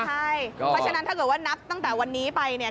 เพราะฉะนั้นถ้าเกิดว่านับตั้งแต่วันนี้ไปเนี่ย